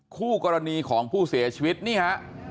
คู่กรณีของผู้เสียชีวิตนี่ฮะ